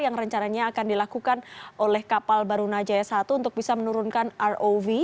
yang rencananya akan dilakukan oleh kapal barunajaya satu untuk bisa menurunkan rov